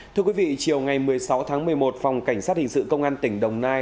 thưa quý vị chiều ngày một mươi sáu tháng một mươi một phòng cảnh sát hình sự công an tỉnh đồng nai